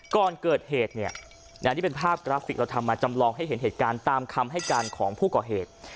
ก่อนเกิดเหตุเนี่ยนี่เป็นภาพกราฟิกเราทำมาจำลองให้เห็นเหตุการณ์ตามคำให้การของผู้ก่อเหตุ